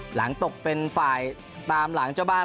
หลังตกเป็นฝ่ายตามหลังเจ้าบ้าน